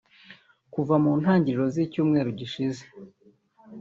Kuva mu ntangiriro z’icyumweru gishize